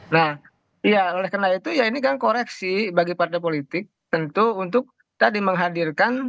nah ya oleh karena itu ya ini kan koreksi bagi partai politik tentu untuk tadi menghadirkan